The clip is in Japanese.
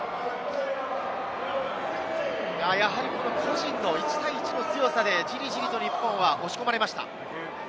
やはり個人の、１対１の強さでじりじりと日本は押し込まれました。